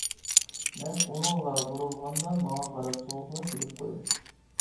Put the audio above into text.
مەن ئۇنىڭغا بۇرۇلغاندا ماڭا قاراپ سوغۇقلا كۈلۈپ قويدى.